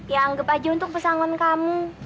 yang anggap aja untuk pesangon kamu